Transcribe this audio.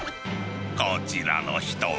こちらの人は。